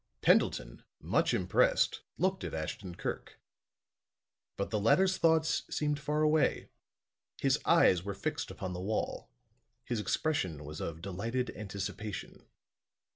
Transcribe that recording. Pendleton, much impressed, looked at Ashton Kirk. But the latter's thoughts seemed far away; his eyes were fixed upon the wall; his expression was of delighted anticipation.